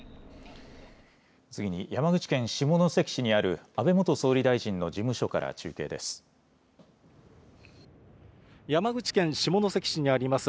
次に山口県下関市にある安倍元総理大臣の事務所から中継です。